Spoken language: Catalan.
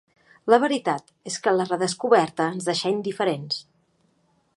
La veritat és que la redescoberta ens deixà indiferents.